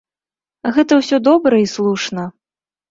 Гэта ўсё добра і слушна.